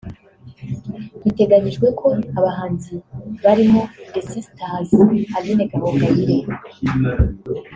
Biteganyijwe ko abahanzi barimo The Sisters(Aline Gahongayire